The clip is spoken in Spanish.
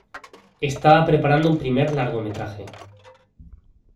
Estaba preparando un primer largometraje.